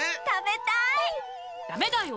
ダメだよ。